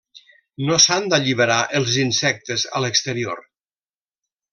No s’han d’alliberar els insectes a l'exterior.